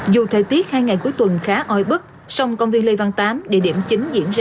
dù thời tiết hai ngày cuối tuần khá oi bức song công viên lê văn tám địa điểm chính diễn ra